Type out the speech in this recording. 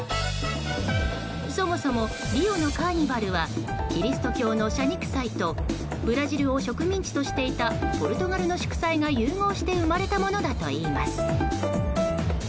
そもそも、リオのカーニバルはキリスト教の謝肉祭とブラジルを植民地としていたポルトガルの祝祭が融合して生まれたものだといいます。